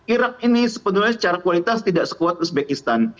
irak ini sebetulnya secara kualitas tidak sekuat uzbekistan